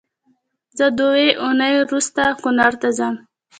زه دوې اونۍ روسته کونړ ته ځم